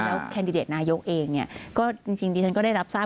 แล้วเคาน์ดิเดตนายกเองถึงจริงดิฉันก็ได้รับทราบ